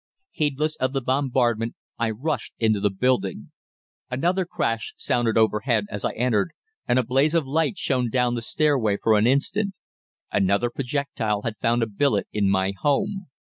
Heedless of the bombardment, I rushed into the building. Another crash sounded overhead as I entered, and a blaze of light shone down the stairway for an instant. Another projectile had found a billet in my home.